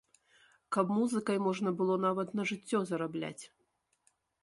Каб музыкай можна было нават на жыццё зарабляць.